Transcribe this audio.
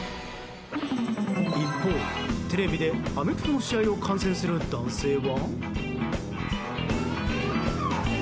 一方、テレビでアメフトの試合を観戦する男性は。